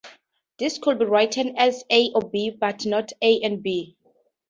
This could be written as "A or B, but not, A and B".